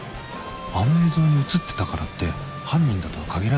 あの映像に映ってたからって犯人だとは限らないよな